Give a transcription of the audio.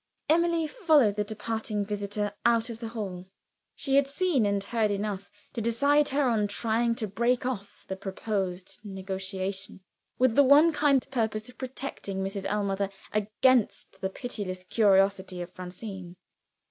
Emily followed the departing visitor out to the hall. She had seen and heard enough to decide her on trying to break off the proposed negotiation with the one kind purpose of protecting Mrs. Ellmother against the pitiless curiosity of Francine.